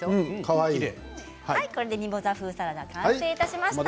これでミモザ風サラダ完成しました。